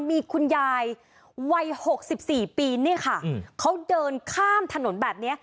มีคุณยายวัย๖๔ปีเนี่ยค่ะเขาเดินข้ามถนนแบบนี้